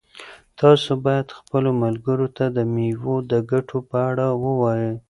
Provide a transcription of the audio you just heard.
تاسو باید خپلو ملګرو ته د مېوو د ګټو په اړه ووایئ.